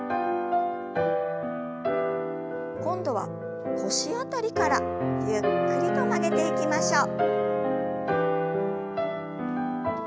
今度は腰辺りからゆっくりと曲げていきましょう。